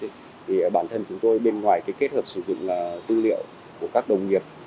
thì bản thân chúng tôi bên ngoài cái kết hợp sử dụng là tư liệu của các đồng nghiệp